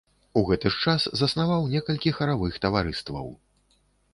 У гэты ж час заснаваў некалькі харавых таварыстваў.